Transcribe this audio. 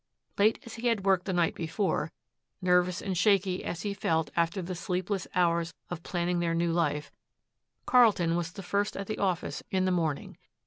Late as he had worked the night before, nervous and shaky as he felt after the sleepless hours of planning their new life, Carlton was the first at the office in the morning.